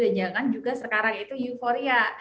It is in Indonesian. dan jangan juga sekarang itu euforia